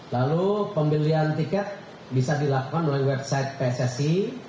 lalu pembelian tiket bisa dilakukan melalui website pssi